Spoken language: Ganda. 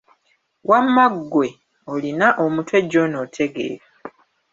Wamma ggwe, olina omutwe John otegeera.